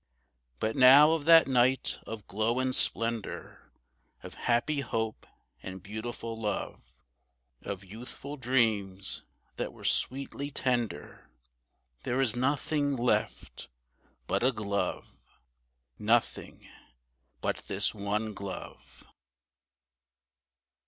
But now of that night of glow and splendour, Of happy hope and beautiful love, Of youthful dreams that were sweetly tender, There is nothing left but a glove, Nothing but this one glove.